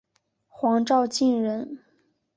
黄兆晋人。